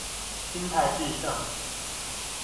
心態致勝